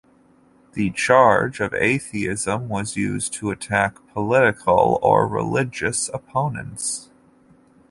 The charge of atheism was used to attack political or religious opponents.